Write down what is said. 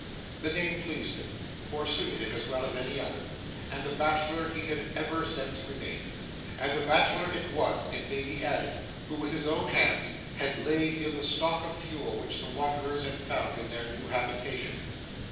The name pleased him, or suited him as well as any other, and the Bachelor he had ever since remained. And the bachelor it was, it may be added, who with his own hands had laid in the stock of fuel which the wanderers had found in their new habitation.